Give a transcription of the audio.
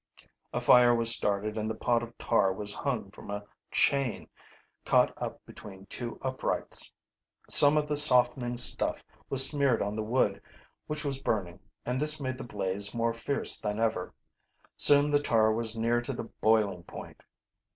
A fire was started and the pot of tar was hung from a chain caught up between two uprights. Some of the softening stuff was smeared on the wood which was burning, and this made the blaze more fierce than ever. Soon the tar was near to the boiling point.